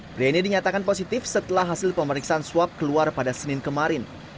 pria ini dinyatakan positif setelah hasil pemeriksaan swab keluar pada senin kemarin